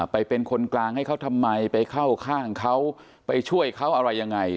เป็นคนกลางให้เขาทำไมไปเข้าข้างเขาไปช่วยเขาอะไรยังไง